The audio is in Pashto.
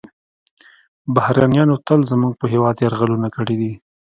بهرنیانو تل زموږ په هیواد یرغلونه کړي دي